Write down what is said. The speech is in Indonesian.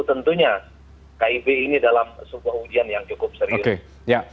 tentunya kib ini dalam sebuah ujian yang cukup serius